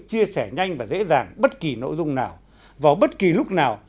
chia sẻ nhanh và dễ dàng bất kỳ nội dung nào vào bất kỳ lúc nào